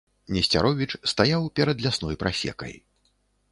Несцяровіч стаяў перад лясной прасекай.